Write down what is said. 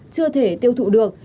chưa thể tiêu thụ được